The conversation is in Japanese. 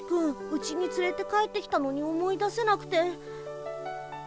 うちにつれて帰ってきたのに思い出せなくて。